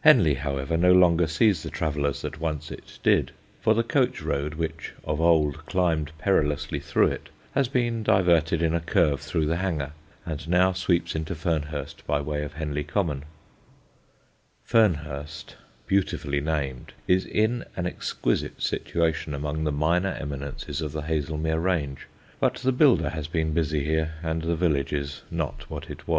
Henley, however, no longer sees the travellers that once it did, for the coach road, which of old climbed perilously through it, has been diverted in a curve through the hanger, and now sweeps into Fernhurst by way of Henley Common. [Illustration: Blackdown.] [Sidenote: FERNHURST] Fernhurst, beautifully named, is in an exquisite situation among the minor eminences of the Haslemere range, but the builder has been busy here, and the village is not what it was.